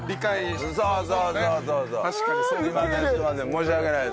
申し訳ないです。